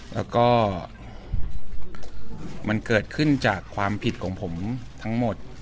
แล้วก็มันเกิดขึ้นจากความผิดของผมทั้งหมด